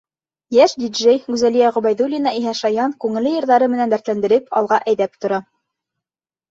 Йәш диджей Гүзәлиә Ғөбәйҙуллина иһә шаян, күңелле йырҙары менән дәртләндереп, алға әйҙәп тора.